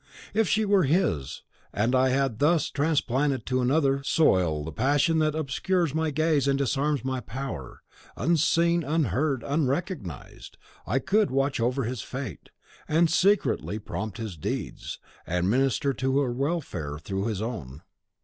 If she were his, and I had thus transplanted to another soil the passion that obscures my gaze and disarms my power, unseen, unheard, unrecognised, I could watch over his fate, and secretly prompt his deeds, and minister to her welfare through his own.